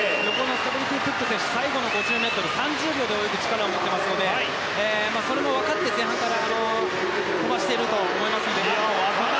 スタブルティ・クック選手最後の５０ｍを３０秒で泳ぐ力を持っていますのでそれもわかって前半から飛ばしていると思います。